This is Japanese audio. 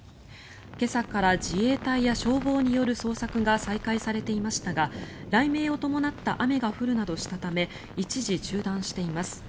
今朝から自衛隊や消防による捜索が再開されていましたが雷鳴を伴った雨が降るなどしたため一時、中断しています。